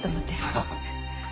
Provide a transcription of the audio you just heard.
ハハハ。